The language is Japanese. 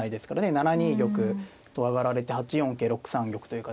７二玉と上がられて８四桂６三玉という形で。